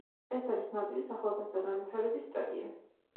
ეს არის ნაპირის ახალგაზრდა განვითარების სტადია.